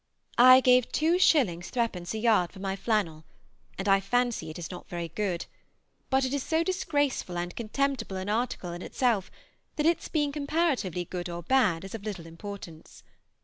I gave 2_s._ 3_d._ a yard for my flannel, and I fancy it is not very good, but it is so disgraceful and contemptible an article in itself that its being comparatively good or bad is of little importance.